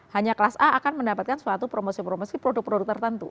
hanya kelas a akan mendapatkan suatu promosi promosi produk produk tertentu